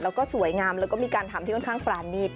แล้วก็สวยงามแล้วก็มีการทำที่ค่อนข้างปรานีต